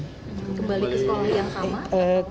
kembali ke sekolah yang sama